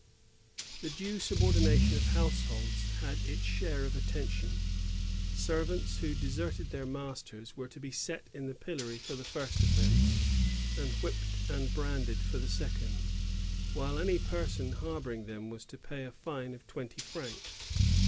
^ The due subordination of households had its share of attention. Servants who deserted their masters were to be set in the pillory for the first offence, and whipped and branded for the second; while any person harboring them was to pay a fine of twenty francs.